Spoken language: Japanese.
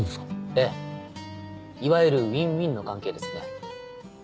ええいわゆるウィンウィンの関係ですね。